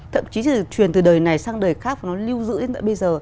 thậm chí là truyền từ đời này sang đời khác và nó lưu giữ đến bây giờ